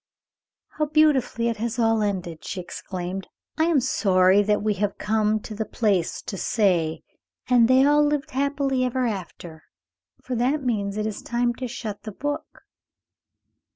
"How beautifully it has all ended!" she exclaimed. "I am sorry that we have come to the place to say 'and they all lived happily ever after,' for that means that it is time to shut the book."